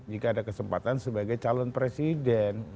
jika ada kesempatan sebagai calon presiden